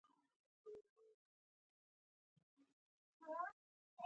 خولۍ د همت او حوصلې څرګندونه ده.